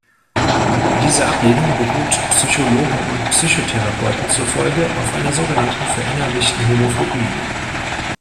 Diese Ablehnung beruht Psychologen und Psychotherapeuten zufolge auf einer sogenannten "verinnerlichten Homophobie".